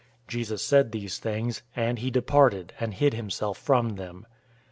Jesus said these things, and he departed and hid himself from them.